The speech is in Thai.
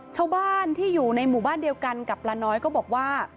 ชาวบ้านที่อยู่ในหมู่บ้านเดียวกันกับปลาน้อยก็บอกว่า